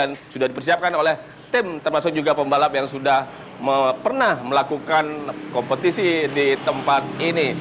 dan sudah dipersiapkan oleh tim termasuk juga pembalap yang sudah pernah melakukan kompetisi di tempat ini